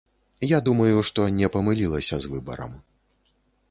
Я думаю, што не памылілася з выбарам.